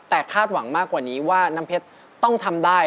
แต่คาดหวังมากกว่านี้ว่าน้ำเพชรต้องทำได้